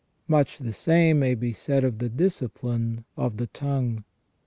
Much the same may be said of the discipline of the tongue.